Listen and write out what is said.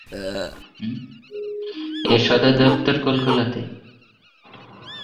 এর সদর দফতর কোককোলাতে।